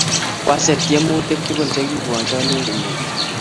Kwasir tyemutik tukul che kipwonjon eng' kenyini